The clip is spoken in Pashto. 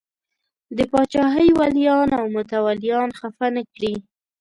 د پاچاهۍ ولیان او متولیان خفه نه کړي.